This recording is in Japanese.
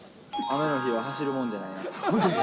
雨の日は走るもんじゃないな